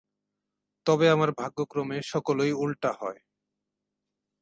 তবে আমার ভাগ্যক্রমে সকলই উলটা হয়।